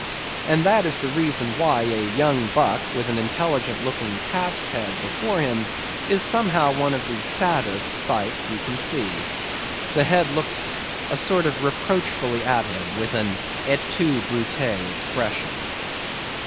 And that is the reason why a young buck with an intelligent looking calf's head before him, is somehow one of the saddest sights you can see. The head looks a sort of reproachfully at him, with an "Et tu Brute!" expression.